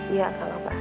iya kalau pak